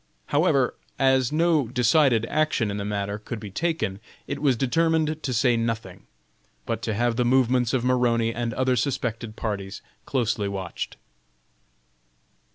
However, as no decided action in the matter could be taken, it was determined to say nothing, but to have the movements of Maroney and other suspected parties closely watched.